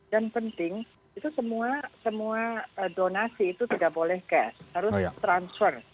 dan penting itu semua donasi itu tidak boleh cash harus transfer